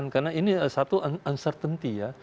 karena ini satu uncertainty ya